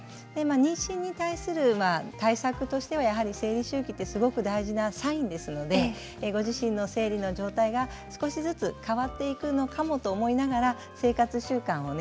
妊娠に対する対策としてはやはり生理周期ってすごく大事なサインですのでご自身の生理の状態が少しずつ変わっていくのかもと思いながら生活習慣をね